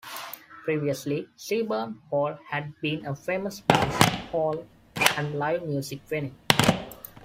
Previously, Seaburn Hall had been a famous dance hall and live music venue.